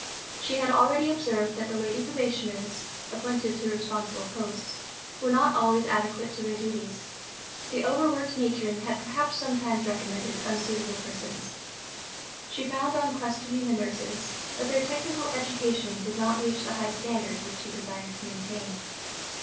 She had already observed that the Lady Probationers, appointed to responsible posts, were not always adequate to their duties: the overworked Matron had perhaps sometimes recommended unsuitable persons. She found on questioning the Nurses that their technical education did not reach the high standard which she desired to maintain.